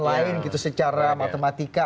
lain secara matematika